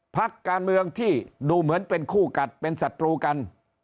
พักการเมืองที่ดูเหมือนเป็นคู่กัดเป็นศัตรูกัน